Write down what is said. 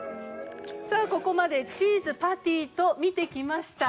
さあここまでチーズパティと見てきました。